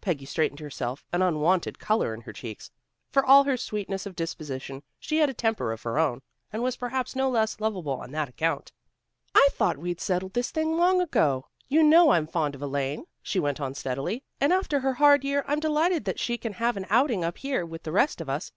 Peggy straightened herself, an unwonted color in her cheeks. For all her sweetness of disposition, she had a temper of her own, and was perhaps no less lovable on that account. "I thought we'd settled this thing long ago. You know I'm fond of Elaine," she went on steadily, "and after her hard year, I'm delighted that she can have an outing up here with the rest of us.